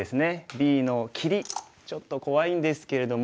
Ｂの切りちょっと怖いんですけれども。